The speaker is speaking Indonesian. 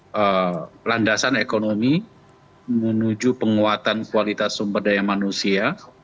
bahwa landasan ekonomi menuju penguatan kualitas sumber daya manusia